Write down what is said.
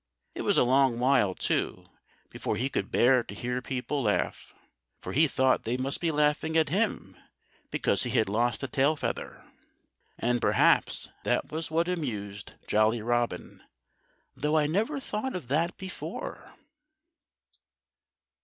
It was a long while, too, before he could bear to hear people laugh. For he thought they must be laughing at him, because he had lost a tail feather. And perhaps that was what amused Jolly Robin, though I never thought of that before.